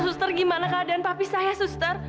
suster gimana keadaan papi saya suster